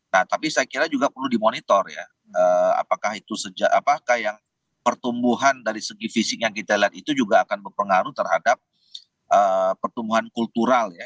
nah tapi saya kira juga perlu dimonitor ya apakah itu sejak apakah yang pertumbuhan dari segi fisik yang kita lihat itu juga akan berpengaruh terhadap pertumbuhan kultural ya